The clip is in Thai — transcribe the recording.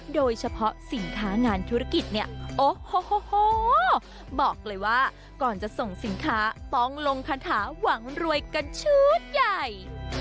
โดยเฉพาะสินค้างานธุรกิจเนี่ยโอ้โหบอกเลยว่าก่อนจะส่งสินค้าต้องลงคาถาหวังรวยกันชุดใหญ่